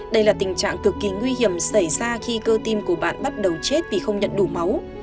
đây là tình trạng cực kỳ nguy hiểm xảy ra khi cơ tim của bạn bắt đầu chết vì không nhận đủ máu